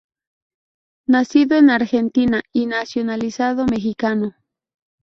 Nacido en Argentina y nacionalizado mexicano.